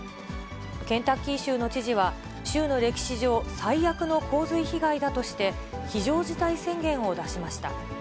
ケンタッキー州の知事は、州の歴史上最悪の洪水被害だとして、非常事態宣言を出しました。